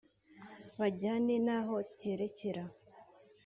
bajyane naho cyerekera